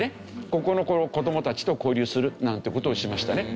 ここの子供たちと交流するなんて事をしましたね。